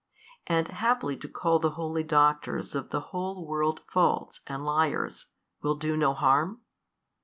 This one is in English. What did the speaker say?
And haply to call the holy doctors of the whole world false and liars, will do no harm?